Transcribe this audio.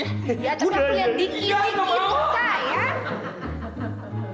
ya tapi aku yang dikiring gitu sayang